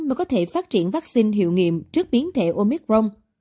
mới có thể phát triển vaccine hiệu nghiệm trước biến thể omicron